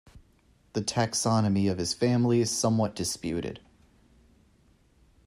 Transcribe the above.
The taxonomy of this family is somewhat disputed.